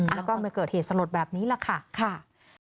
แล้วก็มาเกิดเหตุสลดแบบนี้แหละค่ะ